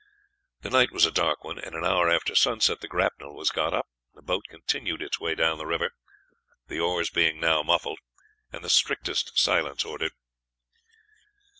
The night was a dark one, and an hour after sunset the grapnel was got up, and the boat continued its way down the river, the oars being now muffled, and the strictest silence ordered.